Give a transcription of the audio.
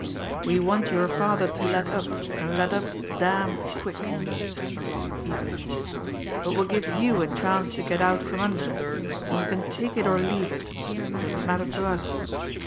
"We want your father to let up, and let up damned quick," said Laroque evenly. "But we'll give you a chance to get out from under, and you can take it or leave it it doesn't matter to us.